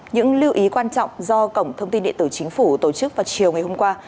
những lưu ý quan trọng do cổng thông tin điện tử chính phủ tổ chức vào chiều hôm qua